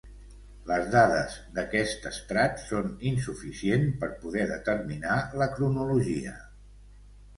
Les dades d'aquest estrat són insuficient per poder determinar la cronologia.